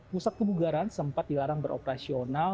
pusat kebugaran sempat dilarang beroperasional